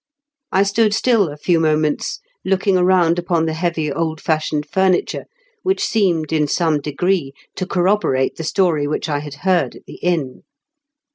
I stood still a few moments, looking around upon the heavy old fashioned furniture^ which seemed, in some degree, to corroborate the story which I had heard at the inn.